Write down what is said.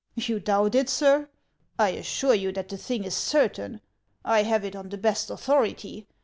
"You doubt it, sir! I assure you that the thing is certain. I have it on the best authority.